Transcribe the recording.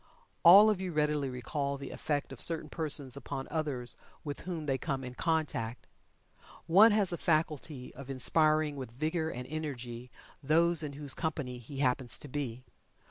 All of you readily recall the effect of certain persons upon others with whom they come in contact. One has a faculty of inspiring with vigor and energy those in whose company he happens to be.